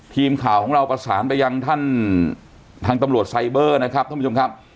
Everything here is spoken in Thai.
ทีมข่าวของเราประสานไปยังท่านทางตำรวจไซเบอร์นะครับท่านผู้ชมครับ